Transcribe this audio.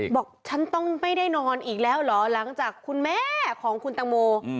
บอกฉันต้องไม่ได้นอนอีกแล้วเหรอหลังจากคุณแม่ของคุณตังโม